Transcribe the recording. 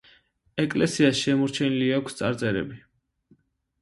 ეკლესიას შემორჩენილი აქვს წარწერები.